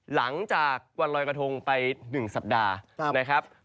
หลังจากวันลอยกระทงไป๑สัปดาห์นะครับ